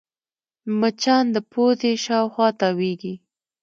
مچان د پوزې شاوخوا تاوېږي